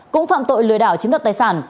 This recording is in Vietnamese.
cũng phạm tội lừa đảo chiếm đoạt tài sản